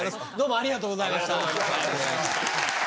ありがとうございます。